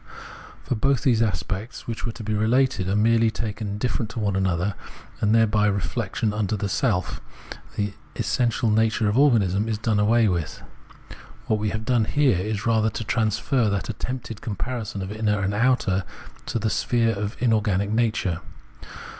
For both the aspects, which were to be related, are merely taken indifferent to one another, and thereby reflection into self, the essential nature of organism, is done away with. What we have done here is rather to transfer that attempted comparison of inner and outer to the sphere of inorganic nature.